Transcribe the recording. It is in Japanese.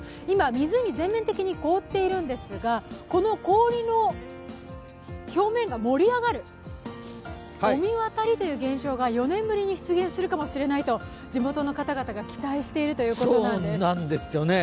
今、湖が全面的に凍っているんですが、この氷の表面が盛り上がる御神渡りという現象が４年ぶりに出現するかもしれないと地元の方々が期待しているということなんです。